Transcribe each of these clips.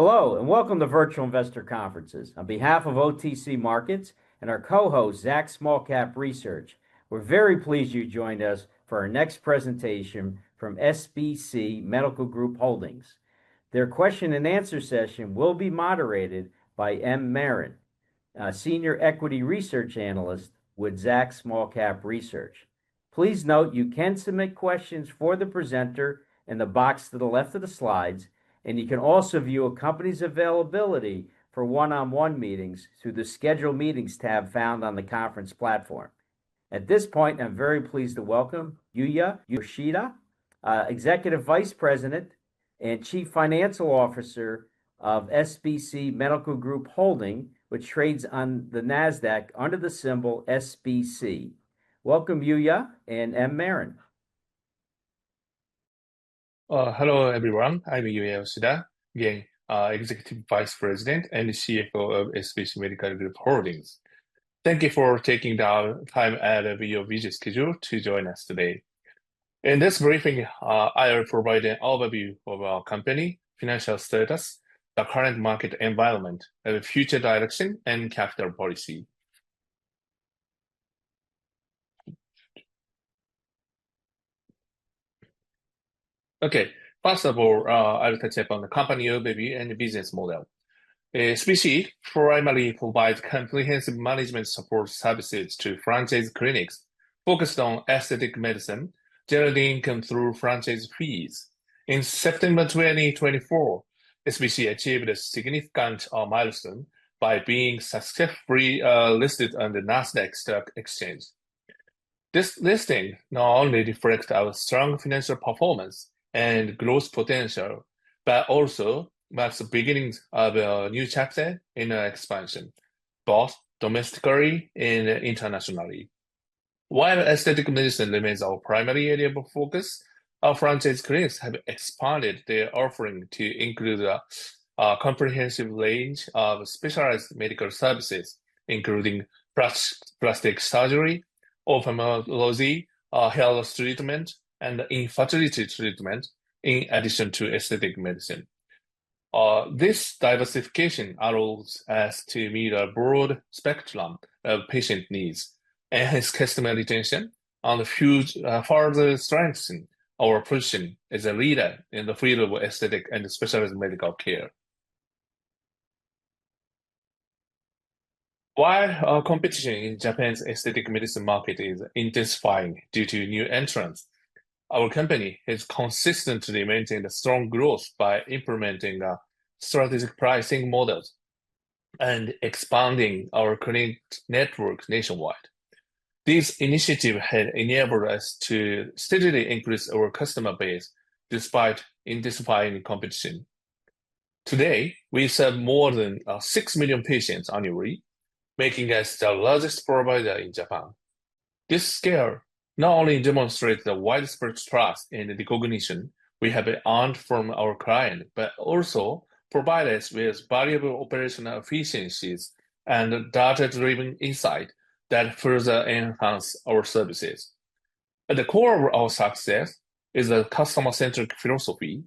Hello, and welcome to Virtual Investor Conferences. On behalf of OTC Markets and our co-host, Zacks Small-Cap Research, we're very pleased you joined us for our next presentation from SBC Medical Group Holdings. Their question-and-answer session will be moderated by M. Marin, a Senior Equity Research Analyst with Zacks Small-Cap Research. Please note you can submit questions for the presenter in the box to the left of the slides, and you can also view a company's availability for one-on-one meetings through the Schedule Meetings tab found on the conference platform. At this point, I'm very pleased to welcome Yuya Yoshida, Executive Vice President and Chief Financial Officer of SBC Medical Group Holdings, which trades on the NASDAQ under the symbol SBC. Welcome, Yuya and M. Marin. Hello, everyone. I'm Yuya Yoshida, Executive Vice President and CFO of SBC Medical Group Holdings. Thank you for taking the time out of your busy schedule to join us today. In this briefing, I'll provide an overview of our company, financial status, the current market environment, the future direction, and capital policy. Okay, first of all, I'll touch up on the company overview and the business model. SBC primarily provides comprehensive management support services to franchise clinics focused on aesthetic medicine, generating income through franchise fees. In September 2024, SBC achieved a significant milestone by being successfully listed on the NASDAQ Stock Exchange. This listing not only reflects our strong financial performance and growth potential, but also marks the beginning of a new chapter in our expansion, both domestically and internationally. While aesthetic medicine remains our primary area of focus, our franchise clinics have expanded their offering to include a comprehensive range of specialized medical services, including plastic surgery, ophthalmology, health treatment, and infertility treatment, in addition to aesthetic medicine. This diversification allows us to meet a broad spectrum of patient needs, enhance customer retention, and further strengthen our position as a leader in the field of aesthetic and specialized medical care. While competition in Japan's aesthetic medicine market is intensifying due to new entrants, our company has consistently maintained strong growth by implementing strategic pricing models and expanding our clinic network nationwide. This initiative has enabled us to steadily increase our customer base despite intensifying competition. Today, we serve more than 6 million patients annually, making us the largest provider in Japan. This scale not only demonstrates the widespread trust and recognition we have earned from our clients, but also provides us with valuable operational efficiencies and data-driven insights that further enhance our services. At the core of our success is a customer-centric philosophy.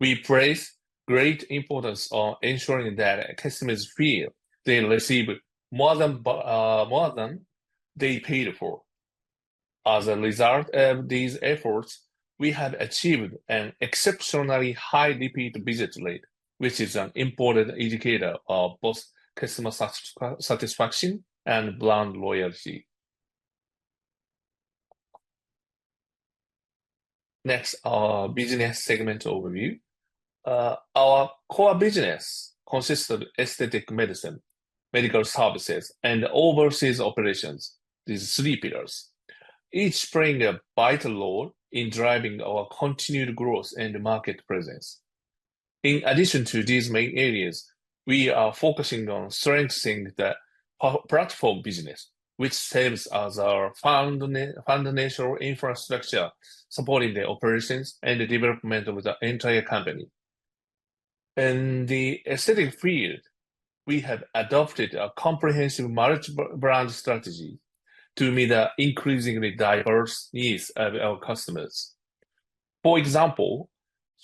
We place great importance on ensuring that customers feel they receive more than they paid for. As a result of these efforts, we have achieved an exceptionally high repeat visit rate, which is an important indicator of both customer satisfaction and brand loyalty. Next, our business segment overview. Our core business consists of aesthetic medicine, medical services, and overseas operations, these three pillars, each playing a vital role in driving our continued growth and market presence. In addition to these main areas, we are focusing on strengthening the platform business, which serves as our foundational infrastructure supporting the operations and development of the entire company. In the aesthetic field, we have adopted a comprehensive multi-brand strategy to meet the increasingly diverse needs of our customers. For example,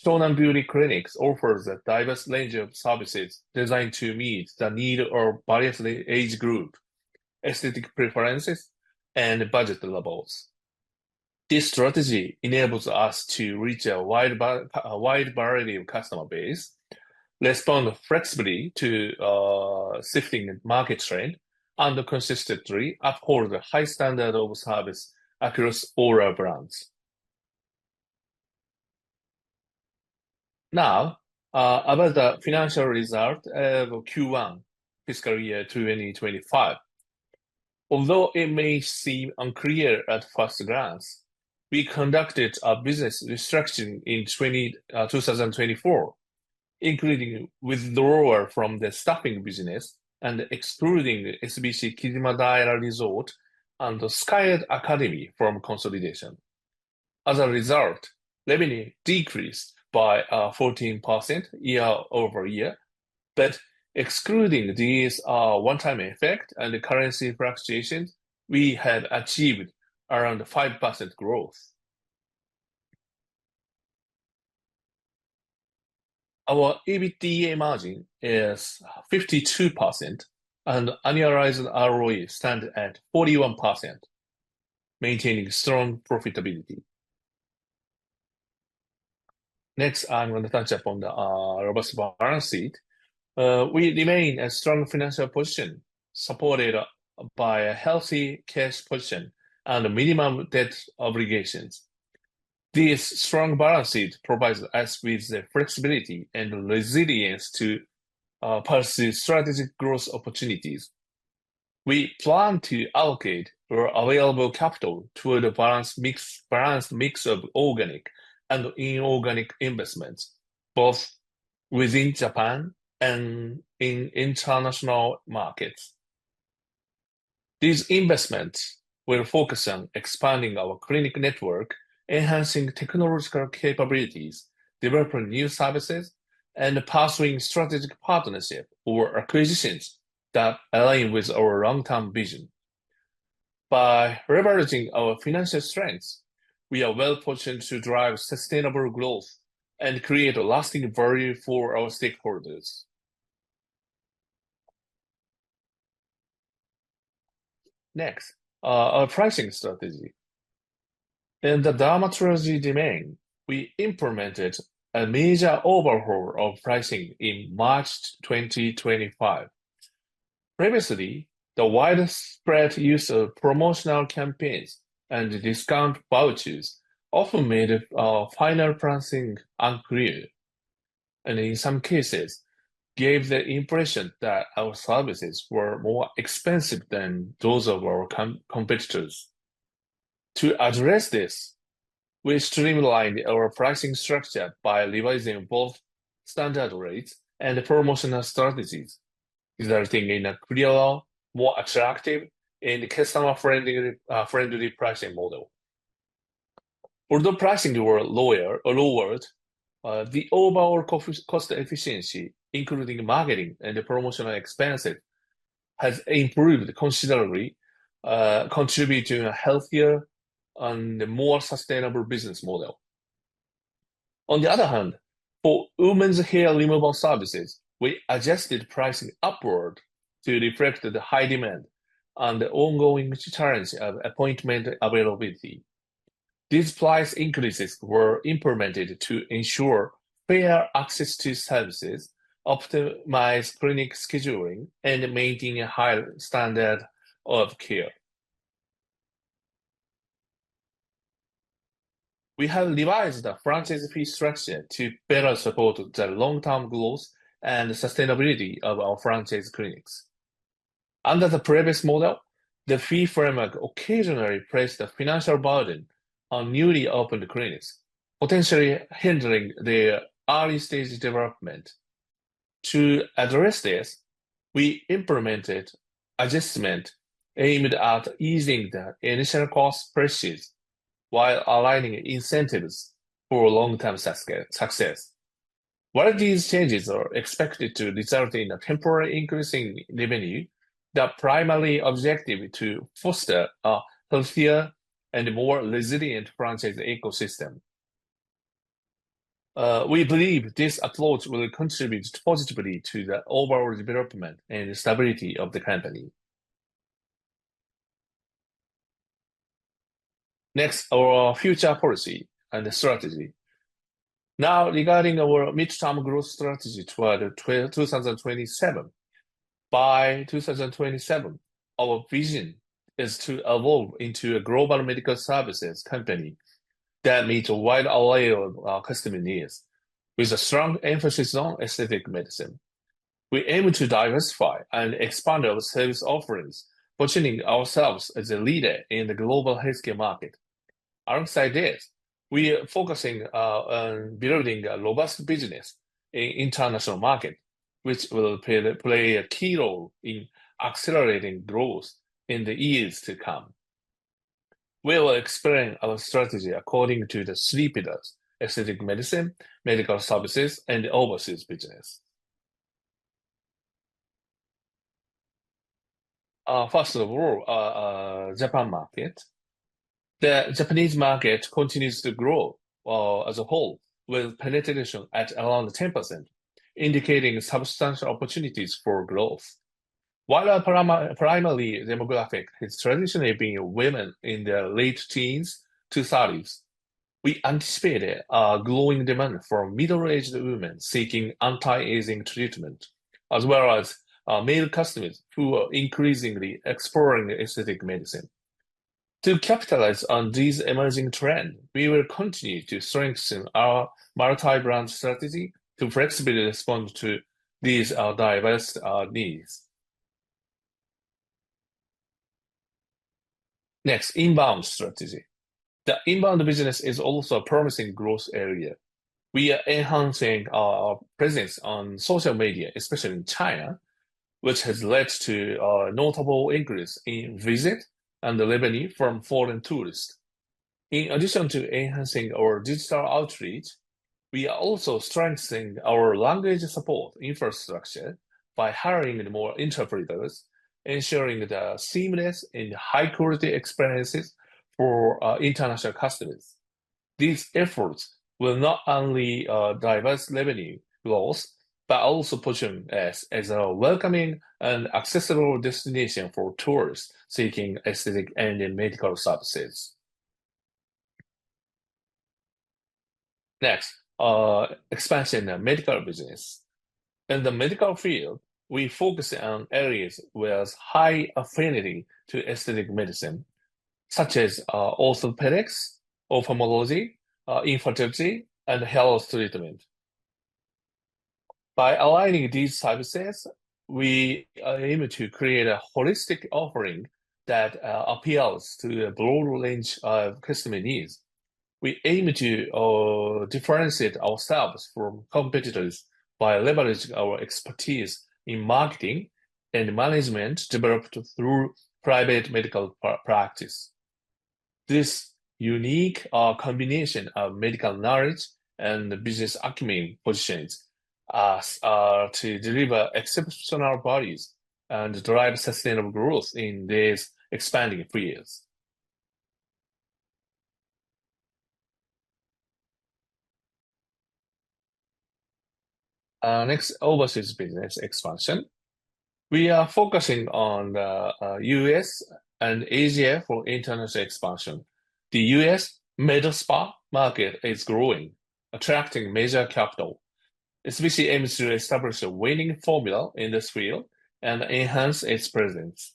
Shonan Beauty Clinics offers a diverse range of services designed to meet the needs of various age groups, aesthetic preferences, and budget levels. This strategy enables us to reach a wide variety of customer bases, respond flexibly to shifting market trends, and consistently uphold the high standard of service across all our brands. Now, about the financial result of Q1, fiscal year 2025. Although it may seem unclear at first glance, we conducted a business restructuring in 2024, including withdrawal from the staffing business and excluding SBC Kijimadaira Resort and the SKYEART Academy from consolidation. As a result, revenue decreased by 14% year over year, but excluding these one-time effects and currency fluctuations, we have achieved around 5% growth. Our EBITDA margin is 52%, and annualized ROE stands at 41%, maintaining strong profitability. Next, I'm going to touch upon the robust balance sheet. We remain in a strong financial position, supported by a healthy cash position and minimum debt obligations. This strong balance sheet provides us with the flexibility and resilience to pursue strategic growth opportunities. We plan to allocate our available capital toward a balanced mix of organic and inorganic investments, both within Japan and in international markets. These investments will focus on expanding our clinic network, enhancing technological capabilities, developing new services, and pursuing strategic partnerships or acquisitions that align with our long-term vision. By leveraging our financial strengths, we are well positioned to drive sustainable growth and create lasting value for our stakeholders. Next, our pricing strategy. In the dermatology domain, we implemented a major overhaul of pricing in March 2025. Previously, the widespread use of promotional campaigns and discount vouchers often made our final pricing unclear, and in some cases, gave the impression that our services were more expensive than those of our competitors. To address this, we streamlined our pricing structure by revising both standard rates and promotional strategies, resulting in a clearer, more attractive, and customer-friendly pricing model. Although pricing was lowered, the overall cost efficiency, including marketing and promotional expenses, has improved considerably, contributing to a healthier and more sustainable business model. On the other hand, for women's hair removal services, we adjusted pricing upward to reflect the high demand and the ongoing challenge of appointment availability. These price increases were implemented to ensure fair access to services, optimize clinic scheduling, and maintain a high standard of care. We have revised the franchise fee structure to better support the long-term growth and sustainability of our franchise clinics. Under the previous model, the fee framework occasionally placed a financial burden on newly opened clinics, potentially hindering their early-stage development. To address this, we implemented adjustments aimed at easing the initial cost pressures while aligning incentives for long-term success. While these changes are expected to result in a temporary increase in revenue, the primary objective is to foster a healthier and more resilient franchise ecosystem. We believe this approach will contribute positively to the overall development and stability of the company. Next, our future policy and strategy. Now, regarding our midterm growth strategy toward 2027, by 2027, our vision is to evolve into a global medical services company that meets a wide array of customer needs, with a strong emphasis on aesthetic medicine. We aim to diversify and expand our service offerings, positioning ourselves as a leader in the global healthcare market. Alongside this, we are focusing on building a robust business in the international market, which will play a key role in accelerating growth in the years to come. We will expand our strategy according to the three pillars: aesthetic medicine, medical services, and the overseas business. First of all, Japan market. The Japanese market continues to grow as a whole, with penetration at around 10%, indicating substantial opportunities for growth. While our primary demographic has traditionally been women in their late teens to 30s, we anticipate a growing demand for middle-aged women seeking anti-aging treatment, as well as male customers who are increasingly exploring aesthetic medicine. To capitalize on these emerging trends, we will continue to strengthen our multi-brand strategy to flexibly respond to these diverse needs. Next, inbound strategy. The inbound business is also a promising growth area. We are enhancing our presence on social media, especially in China, which has led to a notable increase in visits and revenue from foreign tourists. In addition to enhancing our digital outreach, we are also strengthening our language support infrastructure by hiring more interpreters, ensuring seamless and high-quality experiences for international customers. These efforts will not only diversify revenue growth, but also position us as a welcoming and accessible destination for tourists seeking aesthetic and medical services. Next, expansion of medical business. In the medical field, we focus on areas with high affinity to aesthetic medicine, such as orthopedics, ophthalmology, infertility, and health treatment. By aligning these services, we aim to create a holistic offering that appeals to a broad range of customer needs. We aim to differentiate ourselves from competitors by leveraging our expertise in marketing and management developed through private medical practice. This unique combination of medical knowledge and business acumen positions us to deliver exceptional value and drive sustainable growth in these expanding fields. Next, overseas business expansion. We are focusing on the U.S. and Asia for international expansion. The U.S. med spa market is growing, attracting major capital. SBC aims to establish a winning formula in this field and enhance its presence.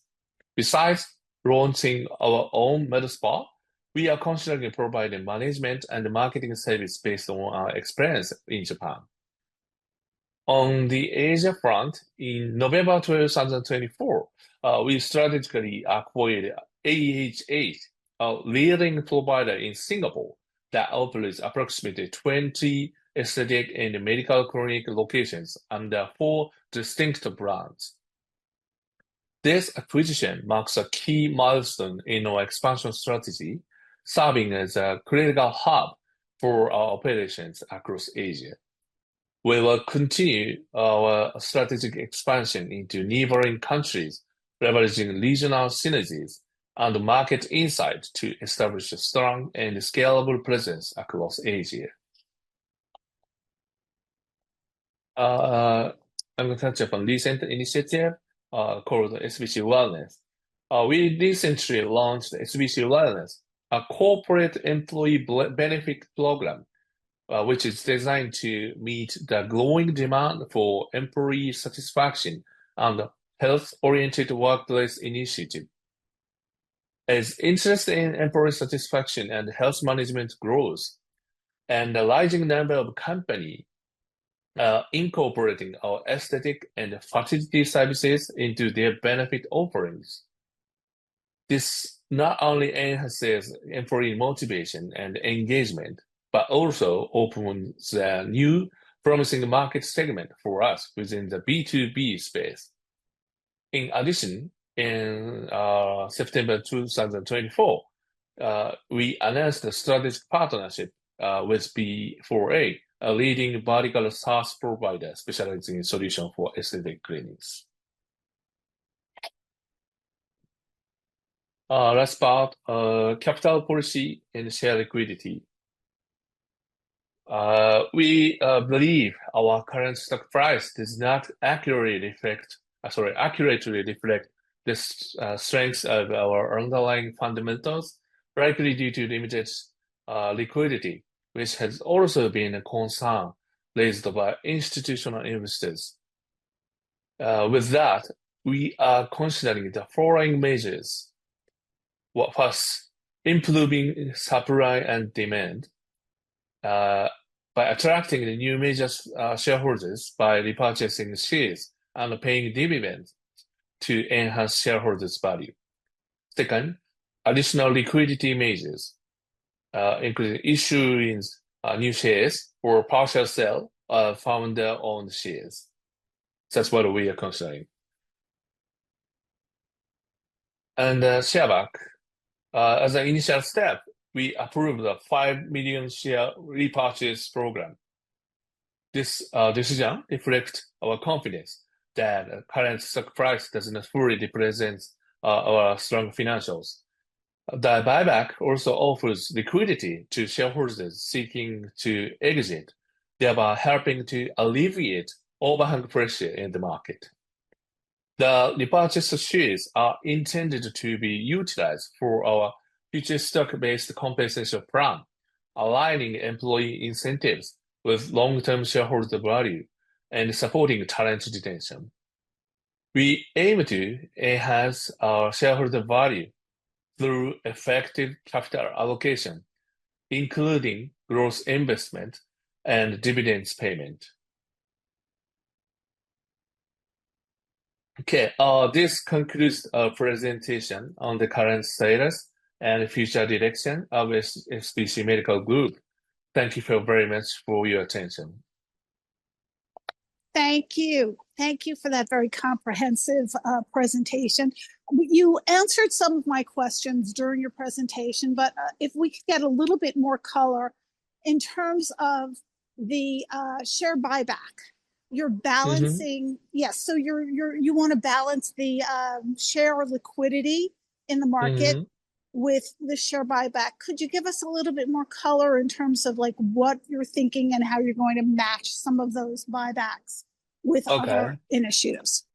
Besides launching our own med spa, we are considering providing management and marketing services based on our experience in Japan. On the Asia front, in November 2024, we strategically acquired AHH, a leading provider in Singapore that operates approximately 20 aesthetic and medical clinic locations under four distinct brands. This acquisition marks a key milestone in our expansion strategy, serving as a critical hub for our operations across Asia. We will continue our strategic expansion into neighboring countries, leveraging regional synergies and market insights to establish a strong and scalable presence across Asia. I'm going to touch upon a recent initiative called SBC Wellness. We recently launched SBC Wellness, a corporate employee benefit program, which is designed to meet the growing demand for employee satisfaction and health-oriented workplace initiative. As interest in employee satisfaction and health management grows, and the rising number of companies incorporating our aesthetic and fertility services into their benefit offerings, this not only enhances employee motivation and engagement, but also opens a new promising market segment for us within the B2B space. In addition, in September 2024, we announced a strategic partnership with B4A, a leading vertical SaaS provider specializing in solutions for aesthetic clinics. Last part, capital policy and share liquidity. We believe our current stock price does not accurately reflect the strength of our underlying fundamentals, likely due to limited liquidity, which has also been a concern raised by institutional investors. With that, we are considering the following measures. First, improving supply and demand by attracting new major shareholders by repurchasing shares and paying dividends to enhance shareholders' value. Second, additional liquidity measures, including issuing new shares or partial sales of founder-owned shares. That is what we are considering. Share back. As an initial step, we approved a 5 million share repurchase program. This decision reflects our confidence that the current stock price does not fully represent our strong financials. The buyback also offers liquidity to shareholders seeking to exit, thereby helping to alleviate overhang pressure in the market. The repurchased shares are intended to be utilized for our future stock-based compensation plan, aligning employee incentives with long-term shareholder value and supporting talent retention. We aim to enhance our shareholder value through effective capital allocation, including growth investment and dividends payment. Okay, this concludes our presentation on the current status and future direction of SBC Medical Group. Thank you very much for your attention. Thank you. Thank you for that very comprehensive presentation. You answered some of my questions during your presentation, but if we could get a little bit more color in terms of the share buyback, you're balancing. Yes. So you want to balance the share liquidity in the market with the share buyback. Could you give us a little bit more color in terms of what you're thinking and how you're going to match some of those buybacks with other initiatives?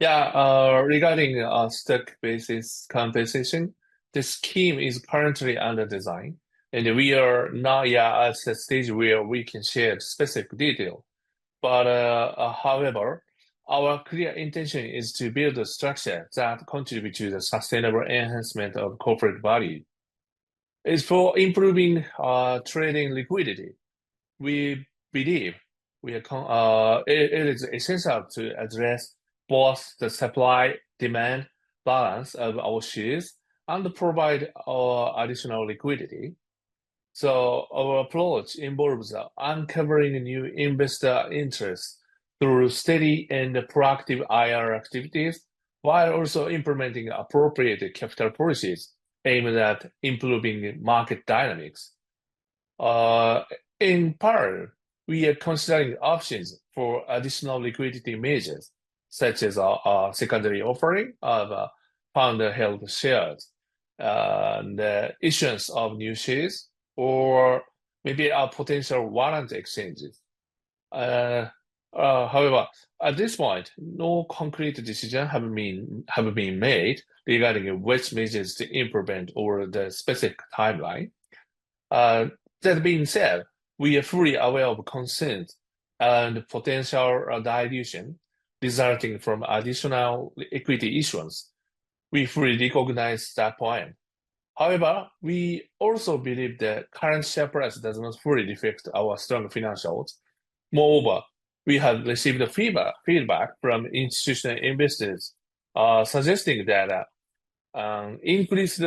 Yeah. Regarding our stock-based compensation, the scheme is currently under design, and we are not yet at a stage where we can share specific details. However, our clear intention is to build a structure that contributes to the sustainable enhancement of corporate value. As for improving trading liquidity, we believe it is essential to address both the supply-demand balance of our shares and provide additional liquidity. Our approach involves uncovering new investor interests through steady and proactive IR activities, while also implementing appropriate capital policies aimed at improving market dynamics. In parallel, we are considering options for additional liquidity measures, such as a secondary offering of founder-held shares, the issuance of new shares, or maybe a potential warrant exchange. However, at this point, no concrete decisions have been made regarding which measures to implement over the specific timeline. That being said, we are fully aware of concerns and potential dilution resulting from additional equity issuance. We fully recognize that point. However, we also believe the current share price does not fully reflect our strong financials. Moreover, we have received feedback from institutional investors suggesting that increased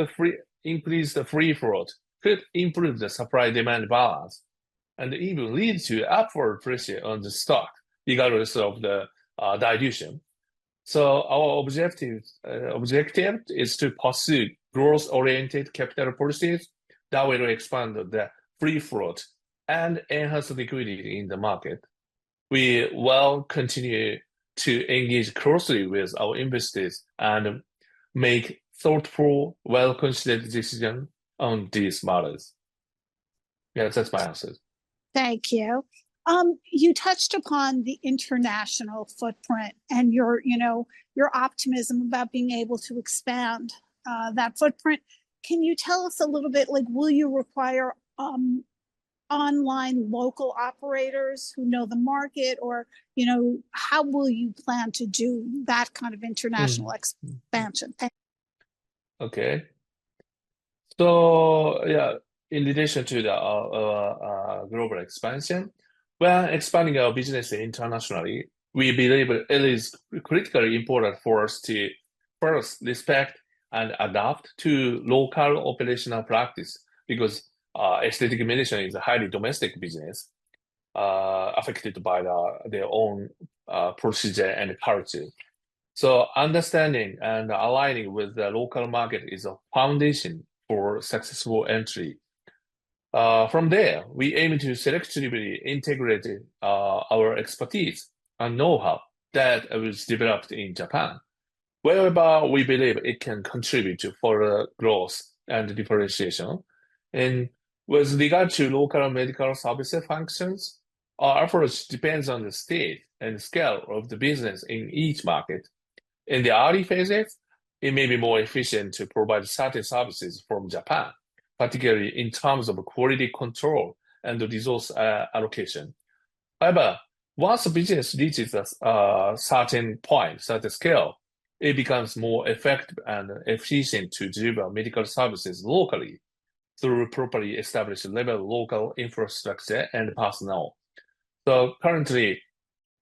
free float could improve the supply-demand balance and even lead to upward pressure on the stock, regardless of the dilution. Our objective is to pursue growth-oriented capital policies that will expand the free float and enhance liquidity in the market. We will continue to engage closely with our investors and make thoughtful, well-considered decisions on these matters. Yeah, that's my answer. Thank you. You touched upon the international footprint and your optimism about being able to expand that footprint. Can you tell us a little bit, will you require online local operators who know the market, or how will you plan to do that kind of international expansion? Okay. In addition to the global expansion, when expanding our business internationally, we believe it is critically important for us to first respect and adapt to local operational practices because aesthetic medicine is a highly domestic business affected by their own procedure and culture. Understanding and aligning with the local market is a foundation for successful entry. From there, we aim to selectively integrate our expertise and know-how that was developed in Japan, whereby we believe it can contribute to further growth and differentiation. With regard to local medical services functions, our approach depends on the state and scale of the business in each market. In the early phases, it may be more efficient to provide certain services from Japan, particularly in terms of quality control and resource allocation. However, once the business reaches a certain point, certain scale, it becomes more effective and efficient to deliver medical services locally through properly established local infrastructure and personnel. Currently,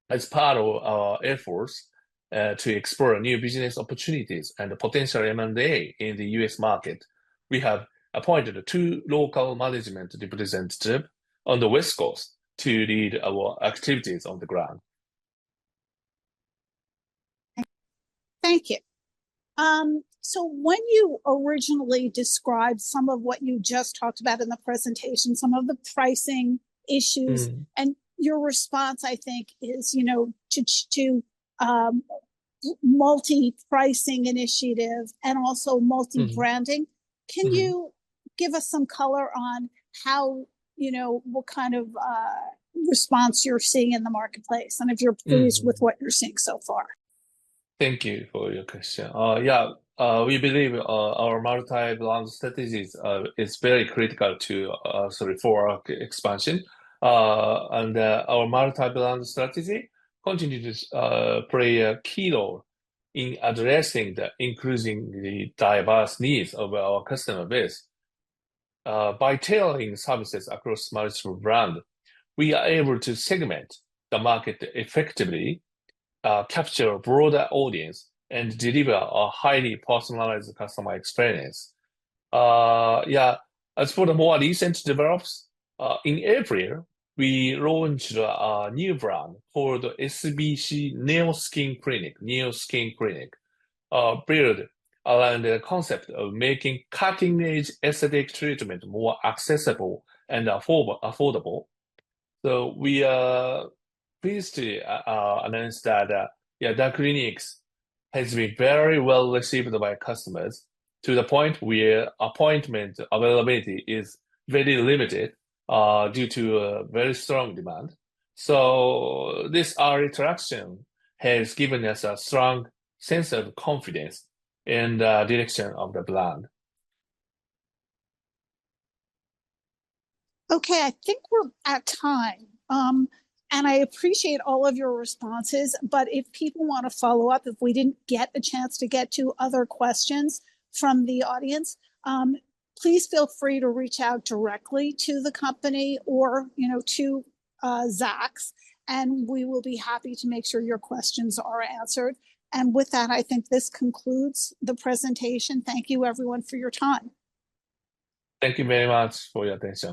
as part of our efforts to explore new business opportunities and potential M&A in the U.S. market, we have appointed two local management representatives on the West Coast to lead our activities on the ground. Thank you. When you originally described some of what you just talked about in the presentation, some of the pricing issues, and your response, I think, is to multi-pricing initiative and also multi-branding, can you give us some color on what kind of response you're seeing in the marketplace and if you're pleased with what you're seeing so far? Thank you for your question. Yeah, we believe our multi-brand strategy is very critical for our expansion. Our multi-brand strategy continues to play a key role in addressing the increasingly diverse needs of our customer base. By tailoring services across multiple brands, we are able to segment the market effectively, capture a broader audience, and deliver a highly personalized customer experience. Yeah, as for the more recent developments, in April, we launched a new brand called SBC NeoSkin Clinic, NeoSkin Clinic, built around the concept of making cutting-edge aesthetic treatments more accessible and affordable. We are pleased to announce that the clinic has been very well received by customers to the point where appointment availability is very limited due to very strong demand. This early traction has given us a strong sense of confidence in the direction of the brand. Okay, I think we're at time. I appreciate all of your responses, but if people want to follow up, if we did not get a chance to get to other questions from the audience, please feel free to reach out directly to the company or to Zach's, and we will be happy to make sure your questions are answered. With that, I think this concludes the presentation. Thank you, everyone, for your time. Thank you very much for your attention.